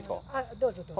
どうぞ、どうぞ。